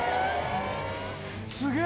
すげえ！